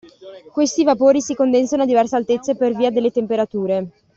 Questi vapori si condensano a diverse altezze per via delle temperature.